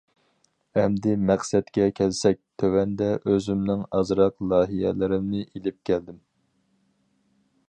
ئەمدى مەقسەتكە كەلسەك، تۆۋەندە ئۆزۈمنىڭ ئازراق لايىھەلىرىمنى ئېلىپ كەلدىم.